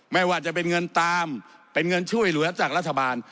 ไม่ว่าจะเป็นเงินตามเป็นเงินช่วยเหลือจากรัฐบาล